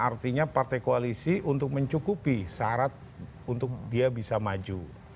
artinya partai koalisi untuk mencukupi syarat untuk dia bisa maju